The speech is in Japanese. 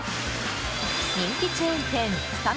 人気チェーン店すた